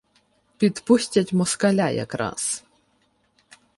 Підпустять москаля якраз.